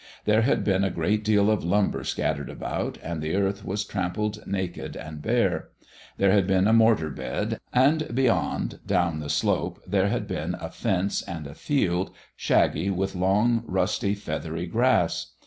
There had been a great deal of lumber scattered about, and the earth was trampled naked and bare. There had been a mortar bed, and beyond, down the slope, there had been a fence and a field, shaggy with long, rusty, feathery grass.